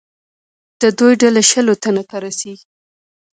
د دوی ډله شلو تنو ته رسېږي.